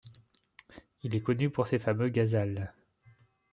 Il est connu pour ses fameux ghazals.